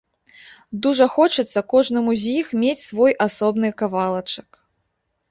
Дужа хочацца кожнаму з іх мець свой асобны кавалачак.